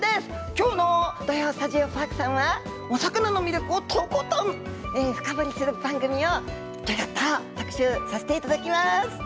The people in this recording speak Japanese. きょうの「土曜スタジオパーク」さんはお魚の魅力をとことん深掘りする番組をギョっと特集させていただきます。